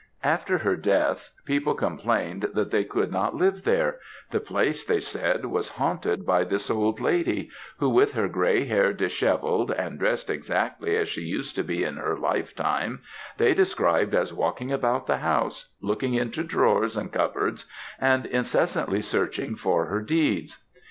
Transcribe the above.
"After her death people complained that they could not live there the place they said was haunted by this old lady, who, with her grey hair dishevelled, and dressed exactly as she used to be in her life time, they described as walking about the house, looking into drawers and cupboards, and incessantly searching for her deeds.